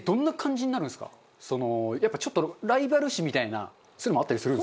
そのやっぱちょっとライバル視みたいなそういうのもあったりする？